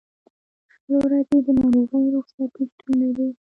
شل ورځې د ناروغۍ رخصتۍ شتون لري.